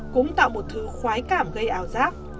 cũng tạo một thứ khoái cảm gây ảo giác